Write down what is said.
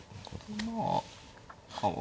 まあ。